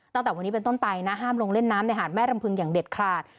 ตั้งแต่วันนี้เป็นต้นไปนะห้ามลงเล่นน้ำในหาดแม่รำพึงอย่างเด็ดขาด